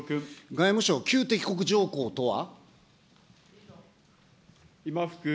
外務省、旧敵国条項とは。